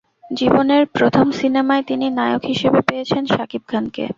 জীবনের প্রথম সিনেমায় তিনি নায়ক হিসেবে পেয়েছেন শাকিব খানকে।